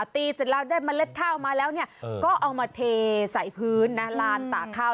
ตีเสร็จแล้วได้เมล็ดข้าวมาแล้วก็เอามาเทใส่พื้นนะลานตากข้าว